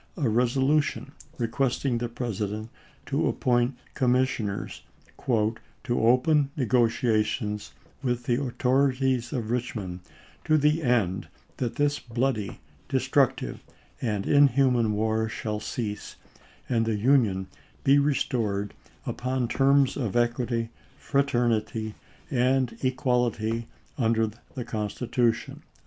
a resolution requesting the President to appoint commissioners, " to open negotiations with the au thorities at Eichmond to the end that this bloody, destructive, and inhuman war shall cease, and the Union be restored upon terms of equity, fraternity, "Globe," and equality under the Constitution."